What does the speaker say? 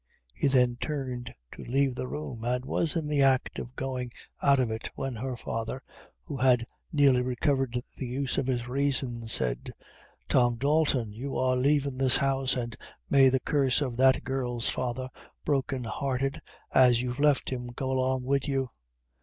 He then turned to leave the room, and was in the act of going out of it, when her father, who had nearly recovered the use of his reason, said: "Tom Dalton, you are lavin' this house, an' may the curse of that girl's father, broken hearted as you've left him, go along wid you."